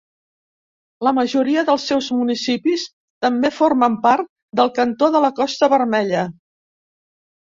La majoria dels seus municipis també formen part del cantó de la Costa Vermella.